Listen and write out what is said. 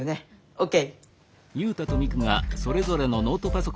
ＯＫ。